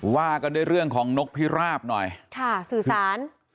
ว่ากันด้วยเรื่องของนกพิราบหน่อยค่ะสื่อสาร